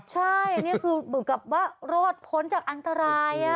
ใช่อันนี้คือเหมือนกับว่ารอดพ้นจากอันตราย